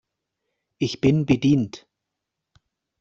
Ich bin bedient.